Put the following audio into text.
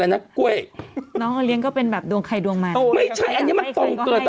เหมือนรุ่งกับป้าคนหนึ่งอะไรอย่างเงี้ยค่ะ